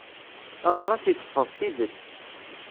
Adras iseffeḍ tidet.